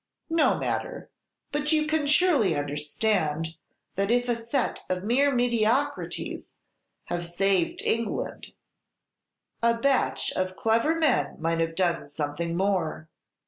"No matter; but you can surely understand that if a set of mere mediocrities have saved England, a batch of clever men might have done something more.